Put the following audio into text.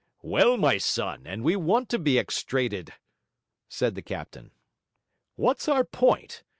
'Well, my son, and we want to be extraded,' said the captain. 'What's our point?